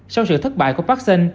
sau sự thất bại của vắc xin